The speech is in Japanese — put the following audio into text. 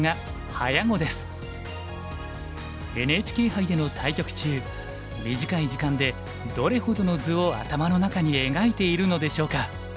ＮＨＫ杯での対局中短い時間でどれほどの図を頭の中に描いているのでしょうか？